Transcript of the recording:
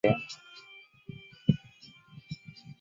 李圭至死大骂不绝。